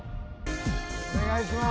お願いします。